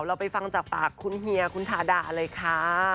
เราไปฟังจากปากคุณเฮียคุณทาดาเลยค่ะ